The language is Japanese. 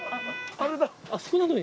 あそこなのに。